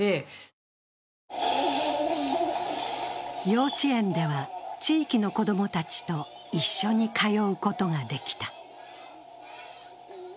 幼稚園では、地域の子供たちと一緒に通うことができた。